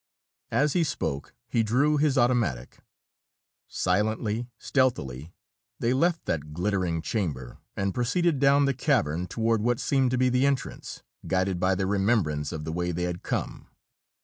As he spoke, he drew his automatic. Silently, stealthily, they left that glittering chamber and proceeded down the cavern toward what seemed to be the entrance, guided by their remembrance of the way they had come.